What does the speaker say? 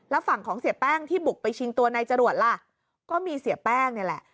แล้วฝั่งของเสียแป้งที่บุกไปชิงตัวนายจรวดล่ะก็มีเสียแป้งนี่แหละ